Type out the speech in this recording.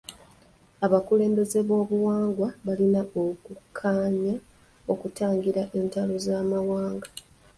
Abakulembeze b'obuwangwa balina okukkanyi okutangira entalo z'amawanga.